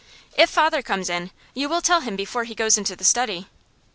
'If father comes in, you will tell him before he goes into the study?